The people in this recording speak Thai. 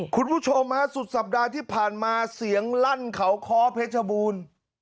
คุณผู้ชมฮะสุดสัปดาห์ที่ผ่านมาเสียงลั่นเขาค้อเพชรบูรณ์